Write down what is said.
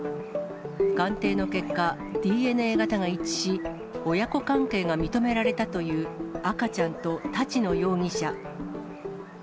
鑑定の結果、ＤＮＡ型が一致し、親子関係が認められたという赤ちゃんと立野容疑者。